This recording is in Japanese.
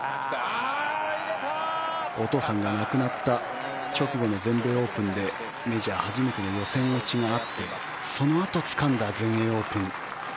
お父さんが亡くなった直後の全米オープンでメジャー初めての予選落ちがあってそのあとつかんだ全英オープン。